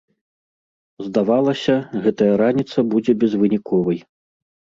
Здавалася, гэтая раніца будзе безвыніковай.